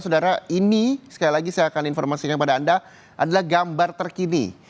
saudara ini sekali lagi saya akan informasikan kepada anda adalah gambar terkini